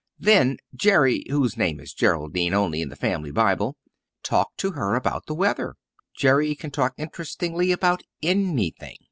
Then Jerry, whose name is Geraldine only in the family Bible, talked to her about the weather. Jerry can talk interestingly about anything.